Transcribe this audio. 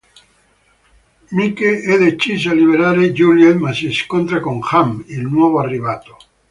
Mike è deciso a liberare Juliet ma si scontra con Ham, il nuovo arrivato.